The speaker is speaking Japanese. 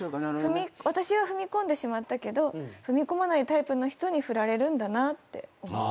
私は踏み込んでしまったけど踏み込まないタイプの人にフラれるんだなって思って。